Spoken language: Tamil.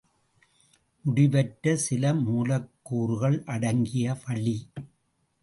முடிவற்ற சில மூலக்கூறுகள் அடங்கிய வளி.